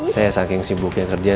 saya saking sibuknya kerja